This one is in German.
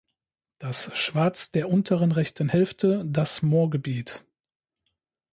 Das Schwarz der unteren rechten Hälfte das Moorgebiet.